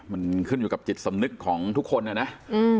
มันขึ้นอยู่กับจิตสำนึกของทุกคนนะนะ